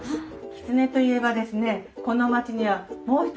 きつねといえばですね